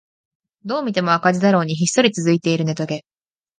どう見ても赤字だろうにひっそり続いているネトゲ